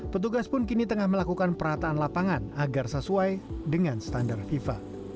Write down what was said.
petugas pun kini tengah melakukan perataan lapangan agar sesuai dengan standar fifa